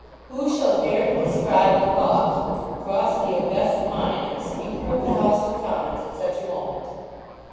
Who shall dare to describe the thoughts which would cross the august mind of a Speaker of the House of Commons at such a moment?